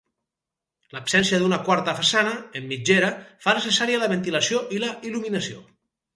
L'absència d'una quarta façana, en mitgera, fa necessària la ventilació i la il·luminació.